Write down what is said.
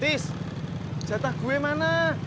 tis jatah gue mana